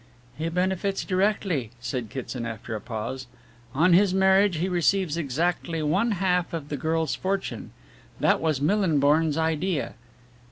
"He benefits directly," said Kitson after a pause, "on his marriage he receives exactly one half of the girl's fortune. That was Millinborn's idea.